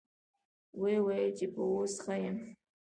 ويې ويل چې يه اوس ښه يمه.